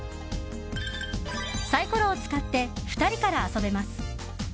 サイコロを使って２人から遊べます。